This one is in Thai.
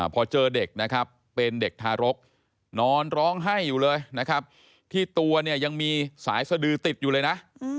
พอเจอเด็กนะครับเป็นเด็กทารกนอนร้องไห้อยู่เลยนะครับที่ตัวเนี่ยยังมีสายสดือติดอยู่เลยนะ